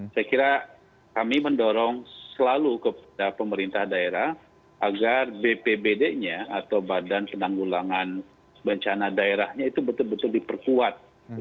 saya kira kami mendorong selalu kepada pemerintah daerah agar bpbd nya atau badan penanggulangan bencana daerahnya itu betul betul diperkuat